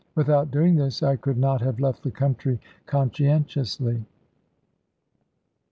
Without doing this, I could not have left the county conscientiously.